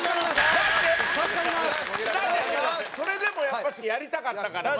だってそれでもやっぱりやりたかったからマジで。